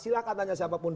silahkan tanya siapapun